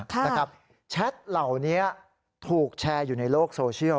ค่ะนะครับแชทเหล่านี้ถูกแชร์อยู่ในโลกโซเชียล